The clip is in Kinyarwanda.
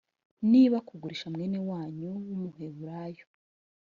nibakugurisha mwene wanyu w’umuheburayo